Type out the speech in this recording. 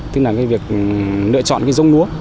tức là cái việc lựa chọn cái giống lúa